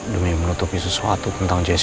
demi menutupi sesuatu tentang jessica